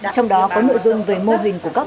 trong đó có nội dung về mô hình của các